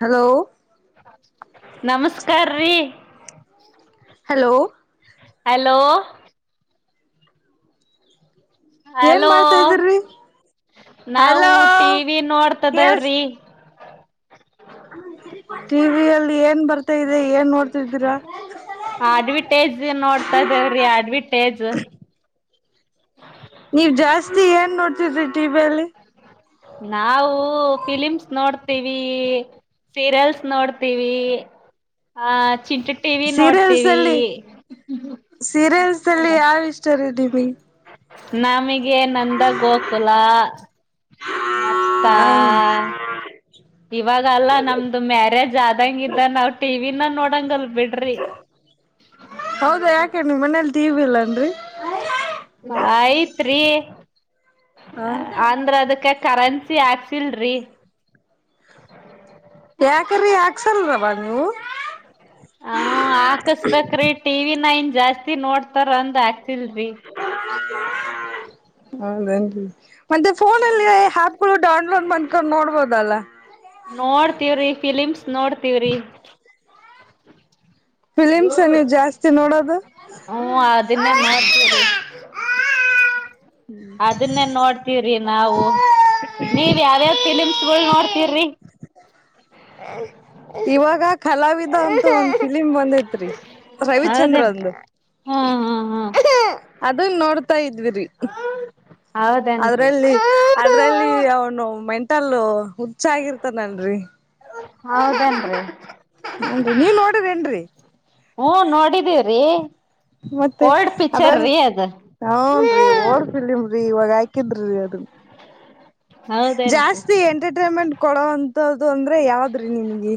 Hello ನಮಸ್ಕಾರ್ರೀ hello hello ಏನ್ hello ಮಾಡ್ತಾ್ದಿರರಿ ನಾವು ಟಿವ ವಿ ನೋಡ್ತದವ್ರಿ [inaudible] ಟಿವಿವಿಯಲ್ಲಿ ಏನ್ ಬರ್ತಾ ಇದೆ ಏನ್ ನೋಡ್ತಿದ್ದೀರಾ [inaudible] ಟೇಜ್ ನೋಡ್ತಾ ಇದೇವ್ರೀ ಅಡ್ವಿಟೇಜ್ ನೀವ್ ಜಾಸ್ತಿ ಏನ್ ನೋಡ್ತಿದ್ರರಿ ಟಿಿವ ಅಲ್ಲಿ ನಾವು ಫಿಲಿಮ್ಸ್ ನೋಡ್ ಸೀರಿಯಲ್ಸ್ ನೋಡ್ತೀವಿ ಆ ಚಿಿ [inaudible] ಟಿವ ವಿ ಸೀರಿಯಲ್ಸ್ ನೋಡ್ತೀವಿ ಅಲ್ಲಿ ಸೀರಿಯಲ್ಸ್ ಅಲ್ಲಿ ಯಾವ್ ಇಷ್ಟ ರೀಮಿ ನಮಗೆ ನಂದಾಗ ಗೋಕುಲ ಮತ್ತ ಹ [inaudible] ಇವಾಗಲ್ಲಾ ನಮ್ದು ಮ್ಯಾರೇಜ್ ಆದಂಗ ಇದ್ದ ನಾವ್ ಟಿವಿನ ನೋಡಂಗ ಅಲ್ ಬಿಿಡ್ರಿ [inaudible] ಹೌದಾ ಯಾಕೇನ್ಿ ಮನೇಲಿ ದೀವ ಇಲ್ಲನ್ರಿ ಆಯ್ತ್ರಿೀ ಹ ಅಂದ್ರ ಅದಕ್ಕೆ ಕರೆಂ [inaudible] ಆಾಕ್ಸಲ್ ರರಿ ಬೇಕರಿ ಹಾಕ್ಸಲ್ದವ ನೀವು ಹ ಹಾಕಸ್ಬೇಕ್ರೀ ಟಿವ ನ ನ್ ಜಾಸ್ತಿ ನೋಡ್ತಾರ ಅಂದ್ ಆಾಕ್ತಿಲ್ರರಿ ಹೌದ [inaudible] ಮತ್ತೆ ಫೋನಲ್ಲಿ ಆ್ಯಪ್ ಗಳು ಡೌನ್ಲೋಡ್ ಮಾಡಂದ್ಕೊಂಡು ನೋಡ್ಬೋದಲ್ಲ ನೋಡ್ತವ್ರಿ ಫಿಲಿಮ್ಸ್ ನೋಡ್ತವ್ರಿ ಫಿಲಿಮ್ಸ್ ನೀವು ಜಾಸ್ತಿ ನೋಡೋದು? ಹ್ಮ್ ಅದನ್ನ [inaudible] ಹ್ಮ್.. ಅದನ್ನೇ ನೋಡ್ತವ್ರಿ ನಾವು ನೀವ್ ಯಾವ್ಯಾವ್ ಫಿಲಿಮ್ಸ್ಗಳು ನೋಡ್ತಿವ್ರಿ? [inaudible] ಇವಾಗ ಕಲಾವಿದ ಅಂತೂ ಒಂದ್ ಫಿಲಿಮ್ ಬಂದೈತ್ರಿ. ಹೌದೇನ್ ರವಿಚಂದ್ರನ್ ದು. ಹಾ ಹಾ ಹಾ... ಅದನ್ ನೋಡ್ತಾ ಇದ್ವಿರಿ. ಹೌದೇನ್ರಿ ಅದ್ರಲ್ಲಿ ಅದ್ರಲ್ಲಿ ಅವನು ಮೆಂಟಲ್ ಹುಚ್ಚಾಗಿರ್ತಾನನ್ರಿ. ಹೌದೇನ್ರಿ? ಹನ್ರಿ ನೀವ್ ನೋಡಿರೇನ್ರಿ ಹ್ಮ ನೋಡಿದೀವ್ರಿ.. ಓಲ್ಡ್ ಪಿಕ್ಚರ್ ರೀ ಅದು. ಹನ್ ರೀ ಓಡ್ಪಿಲ್ಮರರಿ ಇವಾಗ ಹಾಕಿದ್ರಿೀ ಅದು. ಹೌದೇನ್ರಿ ಜಾಸ್ತಿ ಎಂಟರ್ಟೈನ್ಮೆಂಟ್ ಕೊಡೋಂತ್ದು ಅಂದ್ರೆ ಯಾವದ್ರಿ ನಿಮ್ಗೆ?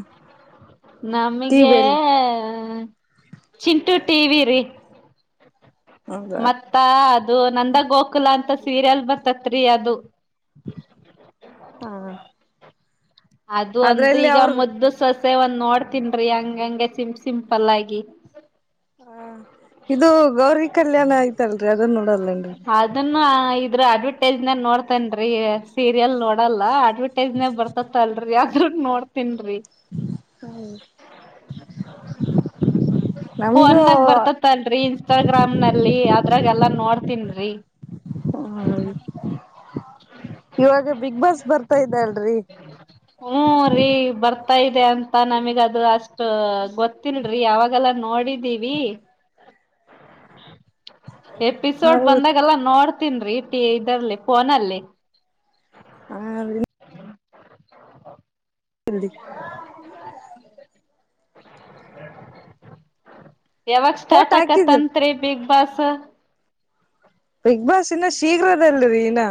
ನಮ್ಗೆ ಟಿವಿಯಲ್ಲಿ ಚಿಂಟು ಟಿ ವಿ ರೀ. ಹೌದಾ ಮತ್ತ ಅದು ನಂದ ಗೋಕುಲ ಅಂತ ಸೀರಿಯಲ್ ಬರ್ತತ್ರಿ ಅದು. ಹಾ. ಅದು ಅಂತ ಈಗ ಅವ್ರ ಮುದ್ದು.. ಸೊಸೆ ಒಂದ್ ನೋಡ್ತನ್ರಿ ಹಂಗಂಗೆ ಸಿಂ ಸಿಂಪಲ್ ಆಗಿ. ಹ ಇದು ಗೌರಿ ಕಲ್ಯಾಣ ಆಯ್ತಲ್ರಿ ಅದನ್ ನೋಡಲ್ಲನ್ರಿ? ಅದನ್ನ ಇದ್ರ ಅಡ್ವರ್ಟೈಸ್ ಮೆಟ್ ನೋಡ್ತೇನ್ರಿ ಸೀರಿಯಲ್ ನೋಡಲ್ಲ ಅಡ್ವರ್ಟೈಸ್ ಬರ್ತ. ರಿ ಅದ್ರ ನೋಡ್ತನ್ರಿ. ನಮ್ಗೂ ಫೋನ್ನಗ ಬರ್ತ... ಲ್ರರಿ ಇನ್ಸ್ಟಾಗ್ರಾಮ್ ನಲ್ಲಿ ಅದ್ರಾಗೆಲ್ಲಾ ನೋಡ್ತನ್ರಿ. ಹ ಇವಾಗ ಬಿಗ್ ಬಾಸ್ ಬರ್ತಾ ಇದ್ದ ಅಲ್ರಿ. ಹ್ಮ.. ರಿೀ ಬರ್ತಾ ಇದೆ ಅಂತ ನಮಗ್ ಅದು ಅಷ್ಟ ಗೊತ್ತಿಲ್ರರಿ ಅವಾಗೆಲ್ಲ ನೋಡಿದೀವಿ. [inaudible] ಎಪಿಸೋಡ್ ಹೌದು ಬಂದಾಗೆಲ್ಲ ನೋಡ್ತನ್ ರೀ ಟಿ ಇದ್ರಲ್ಲಿ ಫೋನಲ್ಲಿ. ಹ... [inaudible] ಯಾವಾಗ ಫೋಟ್ ಸ್ಟಾರ್ಟ್ ಹಾಕಿದ್ರ ಆಕತ್ತಂತ್ರಿ ಬಿಗ್ ಬಾಸ್? ಬಿಗ್ ಬಾಸ್ ಇನ್ನ ಶೀಘ್ರದಲ್ಲರಿ ಇನ್ನ..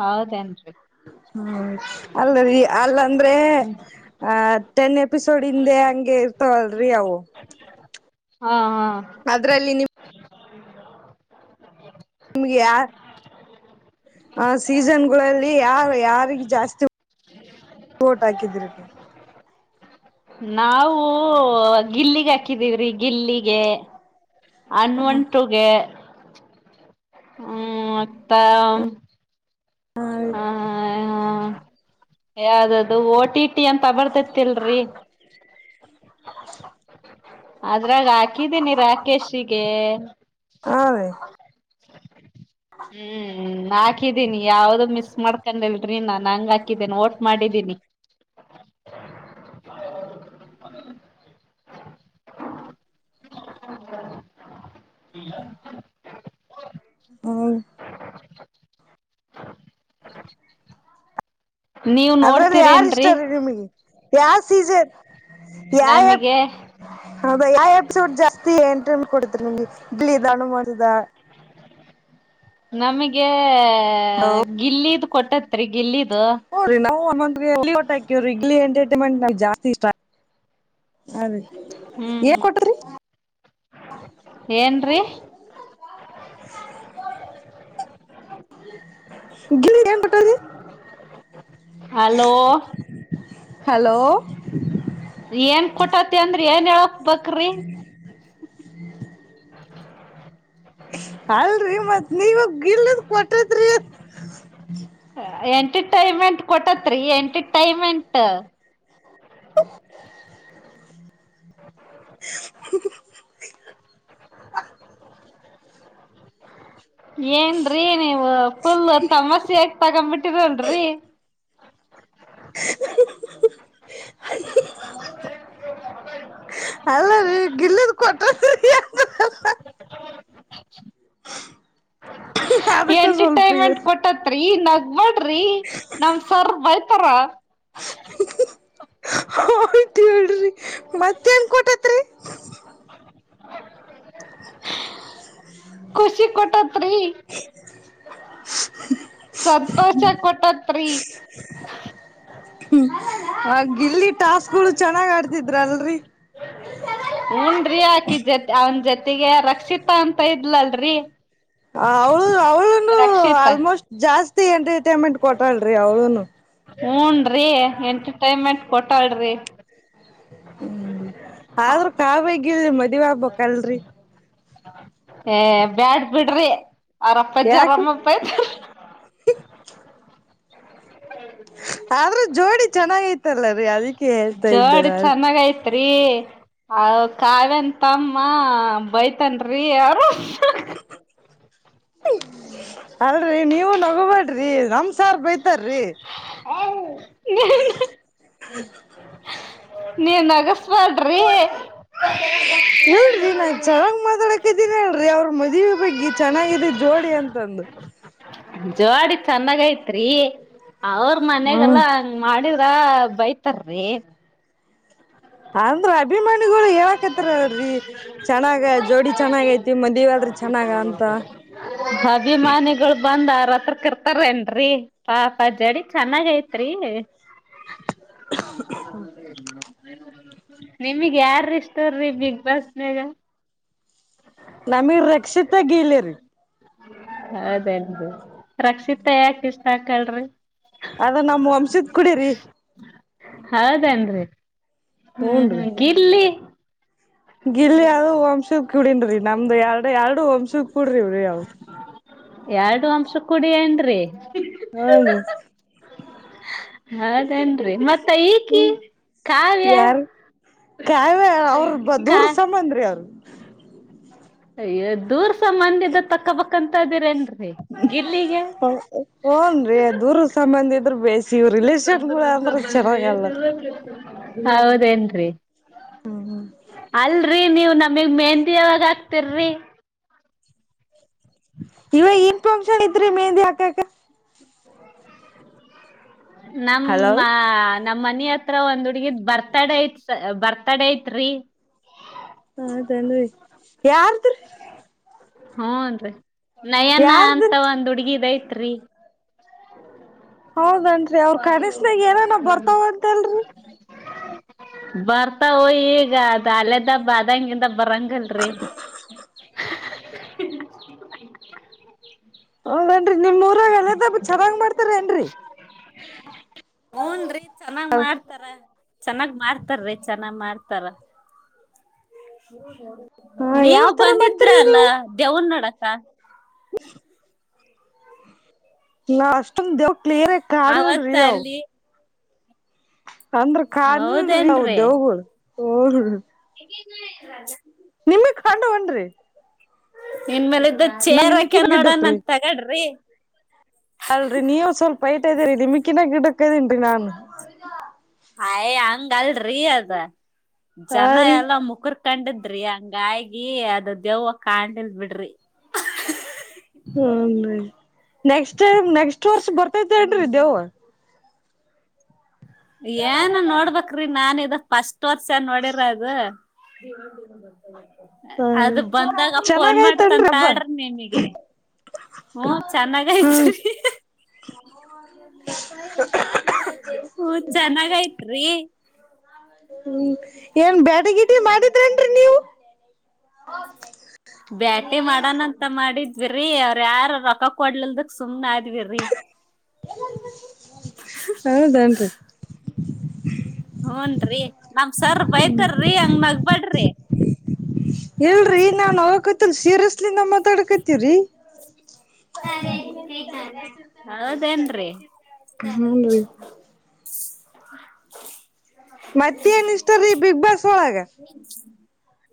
ಹೌದೇನ್ರಿ? ಹ್ಮ ಅಲ್ಲೀ ಅಲ್ಲಂದ್ರೆ. ಆ ಟೆನ್ ಎಪಿಸೋಡ್ ಹಿಂದೆ ಹಂಗೆ ಇರ್ತವಲ್ರರಿ ಅವು. ಹಾ ಹಾ. ಅದ್ರಲ್ಲಿ ನಿಮ.. ನಿಮ್ಗೆ ಯಾ.. ಆ ಸೀಸನ್ಗಳಲ್ಲಿ ಯಾರ ಯಾರಿಗೆ ಜಾಸ್ತಿ... ವೋಟ್ ಹಾಕಿದಿ? ನಾವವು ಗಿಲ್ಲಿಗೆ ಹಾಕಿದೀವ್ರಿ ಗಿಲ್ಲಿಗೆ. ಹನುಮಂತ ಗೆ ಹ್ಮ್ ಮತ್ತ.. ಹಾ ಹಾ ಯಾವ್ದದು ಓಟಿಟಿ ಅಂತ ಬರ್ತೆತಿಲ್ಲ್ರಿ? [unintelligible] ಅದ್ರಾಗ ಹಾಕಿದೀನಿ ರಾಕೇಶಿಗೆ. ಹಾ ರೀ. ಹ್ಮ್ ಹಾಕಿದ್ದೀನಿ ಯಾವ್ದು ಮಿಸ್ ಮಾಡ್ಕೊಂಡಿಲ್ ರೀ ನಾನ್ ಹಂಗ ಹಾಕಿದ್ದೇನೆ ಓಟ್ ಮಾಡಿದ್ದೀನಿ. ಹಂ ನೀವ್ ಅದ್ರಲ್ಲಿ ಯಾರ್ ನೋಡ್ತೀರೇನ್ರಿ ಇಷ್ಟಾರೀ ನಿಮಗ ಯ ಸೀಸನ್ ಯಾ ಯ ನಮಗೆ ಹಾ ಭೈಯಾ ಆ ಎಪಿಸೋಡ್ ಜಾಸ್ತಿ ಎಂಟರ್ಟೈನ್ಮೆಂಟ್ ಕೊಡ್ತ್ರಿ ನಮ್ಗ [unintelligible] ನಮಗೆ ಗಿಲ್ಲಿದ ಕೊಟ್ಟತ್ರಿ ಗಿಲ್ಲಿದು. [unintelligible] ಗಿಲ್ಲಿ ಎಂಟರ್ಟೈನ್ಮೆಂಟ್ ನಮ್ಗ ಜಾಸ್ತಿ ಇಷ್ಟ ಅದೇ ಏನ್ ಕೊಟ್ಟರಿ? ಏನ್ರಿ? ಗಿಲ್ಲಿಗ್ ಏನ್ ಕೊಟ್ಟಾರಿ? ಹಲೋ. ಹಲೋ. ಏನ್ ಕೊಟ್ಟತಿ ಅಂದ್ರ ಏನ್ ಹೇಳಕ್ ಬಕ್ರಿ? ಅಲ್ರಿ ಮತ್ ನೀವ ಗಿಲ್ಲದ ಕೊಟ್ಟದ್ರಿ ಎಂಟರ್ಟೈನ್ಮೆಂಟ್ ಕೊಟ್ಟತ್ರಿ ಎಂಟರ್ಟೈನ್ಮೆಂಟ್. [unintelligible] [inaudible] [unintelligible] ಏನ್ರೀ ನೀವ ಫುಲ್ ತಮಾಷೆಯಾಗ್ ತಗಂಡ್ ಬಿಟ್ಟಿರಲ್ರಿ. [unintelligible] [unintelligible] ಅಲ್ಲ ರೀ ಗಿಲ್ಲಿದ ಕೊಟ [unintelligible] ಅದಕ್ಕ ಸ್ವಲ್ಪ ಇ ಎಂಟರ್ಟೈನ್ಮೆಂಟ್ ಕೊಟ್ಟ ರಿ ನಗ್ಬಡ್ರಿ ನಮ ಸರ್ ಬೈತಾರ. ಹ ಆಯ್ತ್ ಹೇಳ್ರಿ ಮತ್ತ ಏನ್ ಕೊಟ್ಟೈತ್? ಖುಷಿ ಕೊಟ್ಟತ್ರಿ. [unintelligible] ಸಂತೋಷ ಕೊಟ್ಟತ್ರಿ. ಆ ಗಿಲ್ಲಿ ಟಾಸ್ಕ್ಗಳು ಚೆನ್ನಾಗ್ ಆಡ್ತಿದ್ರ ಅಲ್ರಿ. ಹ [unintelligible] ಹೂನ್ರಿ ಆಕಿ ಜೊತೆ ಅವನ ಜೊತೆಗೆ ರಕ್ಷಿತಾ ಅಂತ ಇದ್ಲಲ್ರರಿ. ಹ ಅವಳು ಅವಳೂನು ರಕ್ಷಿತಾ ಆಲ್ಮೋಸ್ಟ್ ಜಾಸ್ತಿ ಎಂಟರ್ಟೈನ್ಮೆಂಟ್ ಕೊಟ್ಟಾಳ್ರಿ ಅವಳುನು. ಹೂನ್ರಿ ಎಂಟರ್ಟೈನ್ಮೆಂಟ್ ಕೊಟಾಳ್ರಿ ಹ್ಮ್ ಆದ್ರೂ ಕಾವ್ಯ ಗಿಲ್ ಮದೀವ್ ಆಗ್ಬಕ್ಲ್ರಿ. ಏ ಬ್ಯಾಡ್ ಬಿಡ್ರಿ ಅವ್ರ್ ಅಪ್ಪಾಜಿ ಅವ್ರ್ ಯಾಕ ಅವರಮ್ಮ ಬೈತಾರ್ ಆದ್ರ ಜೋಡಿ ಚೆನ್ನಾಗೈತಲ್ಲರಿ ಅದಕ್ಕೆ ಹೇಳ್ತಾ ಇದ್ದೆ ನಾನು. ರಿ ಅವ ಕಾವ್ಯನ್ ತಮ್ಮ ಬೈತಾನ್ರಿ ಅವರು ಅಲ್ರಿ ನೀವು ನಗಬೇಡ್ರಿ ನಮ್ಸಾರ್ ಬೈತ ಬೈತಾರಿ. [unintelligible] ಏನ್ ನೀನ್ ನಗಸ್ಬಲ್್ರಿ ಹೇಳ್ರಿ ನ [inaudible] [inaudible] ಚೆನ್ನಾಗ್ ಮಾತಾಡಕ ಇದೀನ ಹೇಳ್ರಿ ಅವ್ರ ಮದುವೆ ಬಗ್ಗೆ ಚೆನ್ನಾಗಿದೆ ಜೋಡಿ ಅಂತಂದು ಜೋಡಿ ಚೆನ್ನಾಗ ಐತ್ರಿ ಅವ್ರ ಹ್ಮ್ ಮನ್ಾಗಲ್ಲಾಂಗ [inaudible] ಮಾಡಿದ್ರ ಬೈತಾರಿ ಅಂದ್ರ ಅಭಿಮಾನಿಗಳು ಯಾವ ಹಾಕತ್ತ್ರಿ ಚೆನ್ನಾಗ ಜೋಡಿ ಚೆನ್ನಾಗ ಐತಿ ಮದಿವವ ಆದ್ರಿ ಚೆನ್ನಾಗ ಅಂತ ಅಭಿಮಾನಿಗಳು ಬಂದ್ ಅವರ ಹತ್ರ ಕ ಇರ್ತಾರೇನ್ರಿ [inaudible] ಪಾಪ ಜಡಿ ಚೆನ್ನಾಗ್ ಐತ್ರಿ [inaudible] ನಿಮಗ್ ಯಾರಷ್ಟ [inaudible] ತ್ರೀ ಬಿಗ್ ಬಾಸ್ ಮಗ ನಮ ರಕ್ಷಿತ ಗೀಲ ರರಿ ಅದೇನ್ ರಕ್ಷಿತಾ ಯಾಕ ಇಷ್ಟ ಹಾಕಲ್ಿ ಅದ ನಮ್ ವಂಶದ ಕುಡೀರಿ ಹೌದೇನ್ರಿ ಹ್ಮ ಹೂನ್ರಿ ಗಿಲ್ಲಿ ಗಿಲ್ಲಿ ಅೂ ವಂಶಕ್ ಕುಡನ್ೀ ನಮ್ದು ಎರಡು ಎರಡು ವಂಶ ಕುಡ್ರಿವ್ರಿ ಅವು ಎರಡು ಅಂಶ ಕುಡಿಯೇನ್ರಿ ಹಾ ಬ ಅದೇನ್ರಿ ಮತ್ತ ಈಕಿ ಹ್ಮ್ ಕಾವ್ಯ ಯಾರ ಕಾವ್ಯ ಅವ್ರ ಬ ಕಾ ದೂರ ಸಮಬಂದ್ರಿ ಅವ್ರ ಯ ದೂರ್ ಸಾಮನ್ಯದ ತಕ್ಕಬಂತ ಇದಿರೇನ್ೀ ಗಿಲ್ಲಿಗೆ ಹೂನ್ರಿ ದೂರ ಸಂಬಂಧ ಇದ್ರರು ಬೇಸಿ ಇವ ರಿಲೇಷನ್ ಅಂದ್ರೆ ಚೆನ್ನಾಗಲ್ಲ [unintelligible] [inaudible] ಹೌದೇನ್ರಿ ಅಲ್ರರಿ ನೀವು ನಮಗ್ ಮೆಹಂತಿ ಯಾವಾಗ [inaudible] ರಿ ಇವ ಇನ್ ಫಂಕ್ಷನ್ ಇದತ್ ಮೆಂದಿ ಹಾಕಾಕ ನಮ್ಮ ಹಲೋ [inaudible] ನಮ್ ಮನ ಹತ್ರ ಒಂದ್ ಹುಡ್ಗದ್ ಬರ್ತಾಡೆ ಐತ್ ಬರ್ತಾಡ ಐತ್ೀ ಹಾ ತಂದ ಯಾರತ್್ರ [inaudible] ಹ್ನ್ೀ ನಯನ ಅಂತ ಯಾರ್ದ್ರಿ ಒಂದ್ ಹುಡ್ಗಿದಐತ್ರಿ [inaudible] ಹೌದನ್ರರಿ ಅವ್ರ ಕನಿಸ್ನಾಗ ಏನನ ಬರ್ತಾವ ಅಂತಲ್ರರಿ ಬರ್ತಾವೋ ಈಗ ಅದ ಅಲ್ಲದ ಬ ಅದಂಗಿಂದ ಬರಂಗಲ್ರಿ ಹದೇನ್ರಿ ನಿಮ್ ಊರಾಗ ಎದ ಚೆನ್ನಾಗ್ ಮಾಡ್ತಾರೇನ್ರಿ ಹಊನ್ ರರಿ ಚೆನ್ನಾಗ್ ಮಾಡ್ತಾರ [inaudible] ಚೆನ್ನಾಗ್ ಮಾಡ್ತಾರ್ರೀ ಚೆನ್ನಾಗ್ ಮಾಡ್ತಾರ ಹ ನೀವು ಯಾವ್ತರ ಬಂದಿದ್ರ ಮಾಡ್ತರಿ ಅಲ್ಲ ನೀವು ದವನ್ ನೋಡಕ ನಾ ಅಷ್ಟೊಂದ ದೇವ್ ಕ್ಲಿಯರ್ ಆ ಅವತ್ತ ಕಾಡ್ಲಲ್ರೀ ಅವ್ ಅಲ್ಲಿ ಅಂದ್ರ ಕಾ ನೀಲ್ಿ ಹೌದೇನ್ರಿ ದವುಗಳು ಹ [inaudible] ಹಗ ರಾಜ [inaudible] ನಿಮೇ ಖಂಡ ಹನ್ರಿ ಇನ್ ಮೇಲ ಇದ ಚೇರ್ ಹಾಕ್ ನಿಮಕಿನ ಗಿಡ್ಡಕ್ರಿ ನೋಡಣಂದ ತಗಡ್ರಿ ಅಲ್ರರಿ ನೀವು ಸ್ವಲ್ಪ ಐಟ್ ಇದೀರಿ ನಿಮಕಿನಾ ಗಿಡಕ್ ಇದೀನ್ರೀ ನಾನ್ ಅಯ್ ಹಂಗ ಅಲ್ರಿ ಅದ ಹಾ ಜನ ರೀ ಎಲ್ಲ ಮುಕುರ್ ಕಂಡದ್ರಿ ಹಂಗಗಿ ಅದ ದೆವ್ವ ಕಂಡಿಲ್ ಬಿಡ್ರಿ ಆನೆಸ್ಟ್ರೆಶ ಬರ್ತೀನ್ ನೋಡಿ ದೆವ್ವ. ಏನ್ ನೋಡ್ಬ್ರಿ, ನಾನ್ ಇದ ಪಫಸ್ಟ್ ವರ್ಷ ನೋಡಿರದು. ಹ್ಮ್ ಅದು, ಬಂದಾಗ ಫೋನ್ ಚೆನ್ನಾಗಯ್ತನ್ರಿ ಹಬ್ಬ ಮಾಡತಂತಾಳ್ರಿ ನಿಮಗೆ. ಚೆನ್ನಾಗಿದೆ. ಹ. ಹೂಂ ಚೆನ್ನಾಗಿದೆ. ಏನ್, ಬ್ಯಾಡಗಿಡಿ ಮಾಡಿದ್ರೇನ್ರಿ ನೀವು. ಬ್ಯಾಟಿ ಮಾಡಣಂತ ಮಾಡಿದ್ವಿರಿ, ಅವ್ರ ಯಾರ ರೊಕ್ಕ ಕೊಡ್ಲಿಲ್ದಕ್, ಸುಮ್ನೆ ಆದ್ವಿ್ರಿ. ಹೌದಾ ಹೌದೇನ್ರಿ. ಹೂನ್ರರಿ, ನಮ್ ಸರ್ ಬೈತಾರರಿ, ಅಂಗ ನಗ್ಬೇಡ್ರಿ. ಇಲ್ರರಿ, ನಾನ್ ಆಕತಿಲ್ ಸೀರಿಯಸ್ಲಿ ನಾ, ಮಾತಾಡಕತೀವ್ರೀ. ಹೌದೇನ್ರಿ ಊರಿ ಹೌದಾ. ಮತ್ತ ಏನ್, ಇಷ್ಟ್ರೀ ಬಿಗ್ ಬಾಸ್ ಒಳಗ.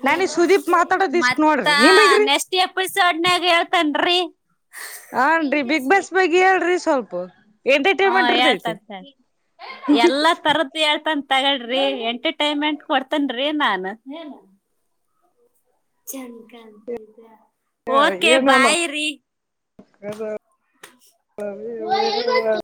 ನನಗೆ, ಸುದೀಪ್ ಮಾತಾಡೋದ್ ಇಷ್ಟ್, ನೋಡ್ರಿ ಮತ್ತ ನೀಮಗ್ರಿ. ನೆಕ್ಸ್ಟ್ ಎಪಿಸೋಡ್ನಾಗ, ಹೇಳ್ತನ್ೀ. ಹನ್ರಿ ಬಿಗ್ ಬಾಸ್ ಬಗ್ಿ ಹೇಳ್ರಿ ಸ್ವಲ್ಪ. ಹಾ, ಎಂಟರ್ಟೈನ್ಮೆಂಟ್ ಇರ್ತೈತಿ ಹೇಳ್ತತ ಎಲ್ಲಾ ತರ. ಹೇಳ್ತನ್, ಎಂಟರ್ಟೈನ್ಮೆಂಟ್ ಕೊಡ್ತಾನೆ. ಹೌದಾ ಹ ಏನಣೋ ಅದು. ಹೌದಾ ಎಲ್ಲಿ.